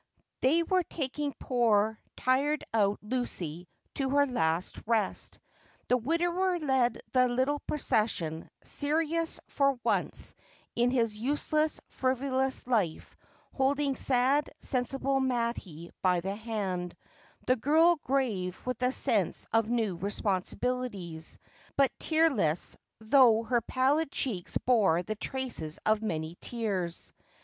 They were taking poor, tired out Lucy to her last rest. The widower led the little procession, serious for once in his useless, frivolous life, holding sad, sensible Mattie by the hand, the girl grave with the sense of new responsibilities, but tear less, though her pallid cheeks bore the traces of many tears.